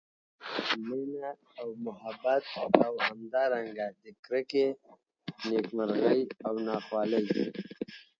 مېنه او محبت او همدا رنګه د کرکي، نیک مرغۍ او نا خوالۍ